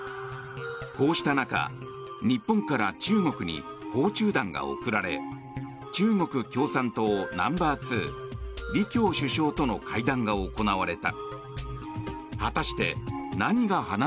こうした中、日本から中国に訪中団が送られ中国共産党ナンバー２李強首相との会談が行われた。